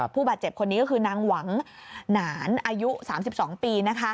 ผู้บาดเจ็บคนนี้ก็คือนางหวังหนานอายุ๓๒ปี